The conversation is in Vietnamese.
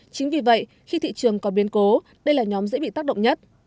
chính vì vậy khi thị trường còn biến cố đây là nhóm dễ bị tác động nhất